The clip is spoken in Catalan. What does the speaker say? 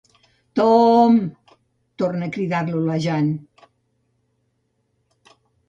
Tooom! —torna a cridar-lo la Jane.